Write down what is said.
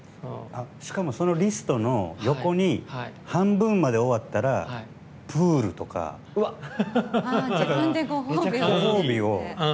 しかも、そのリストの横に半分まで終わったらプールとか、ご褒美を。